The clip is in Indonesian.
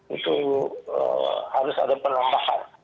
itu harus ada penambahan